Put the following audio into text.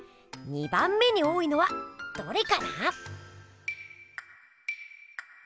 ２番目に多いのはどれかな？